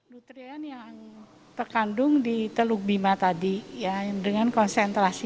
nutrien yang terkandung di teluk bima tadi dengan konsentrasi